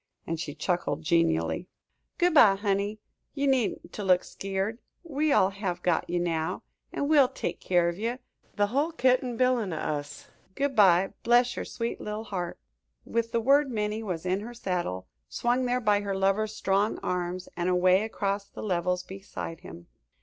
and she chuckled genially. "Good by, honey. Ye needn't to look skeered. We all have got ye now, an' we'll take keer of ye the hull kit an' bilin' o' us. Good by, bless your sweet little heart!" With the word Minnie was in her saddle, swung there by her lover's strong arms, and away across the levels beside him.